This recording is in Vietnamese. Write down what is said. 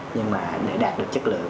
nhưng mà để đạt được chất lượng